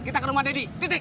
kita ke rumah deddy